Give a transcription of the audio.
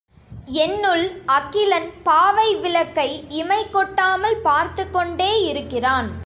என்னுள் அகிலன் பாவை விளக்கை இமைகொட்டாமல் பார்த்துக் கொண்டேயிருக்கிறேன்.